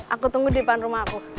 aku tunggu di depan rumah aku